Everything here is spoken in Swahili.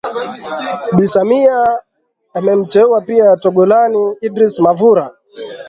Bi Samia amemteua pia Togolan Edrisss Mavura